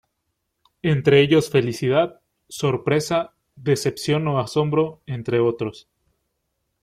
Entre ellos felicidad, sorpresa, decepción o asombro, entre otros.